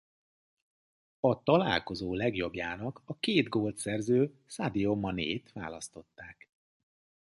A találkozó legjobbjának a két gólt szerző Sadio Manét választották.